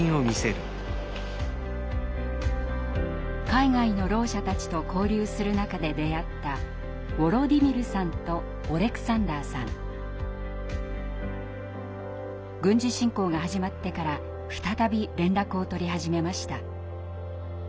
海外のろう者たちと交流する中で出会った軍事侵攻が始まってから再び連絡を取り始めました。